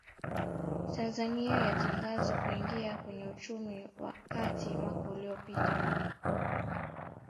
Tanzania yatangazwa kuingia kwenye uchumi wa kati mwaka uliopita